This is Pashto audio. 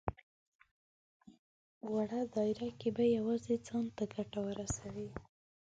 وړه دايره کې به يوازې ځان ته ګټه ورسوي.